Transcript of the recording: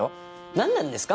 何なんですか？